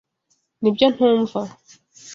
Nibyo ntumva.